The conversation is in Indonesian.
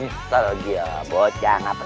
bisa loh dia bucah ngapain